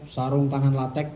sarung tangan latek